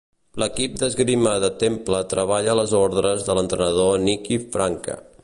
L"equip d"esgrima de Temple treballa a les ordres de l"entrenador Nikki Franke.